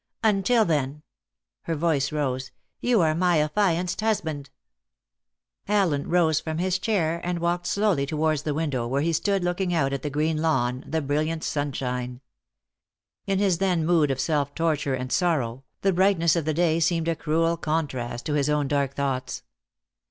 Until then" her voice rose "you are my affianced husband." Allen rose from his chair and walked slowly towards the window, where he stood looking out at the green lawn, the brilliant sunshine. In his then mood of self torture and sorrow, the brightness of the day seemed a cruel contrast to his own dark thoughts.